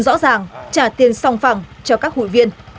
rõ ràng trả tiền song phẳng cho các hụi viên